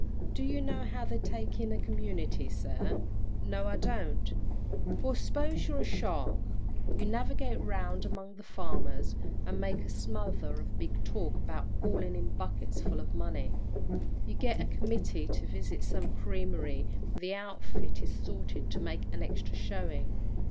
Do you know how they take in a community, sir?" "No, I don't." "Well, s'pose you're a shark. You navigate round among the farmers, and make a smother of big talk about hauling in buckets full of money. You get a committee to visit some creamery where the outfit is salted to make an extra showing.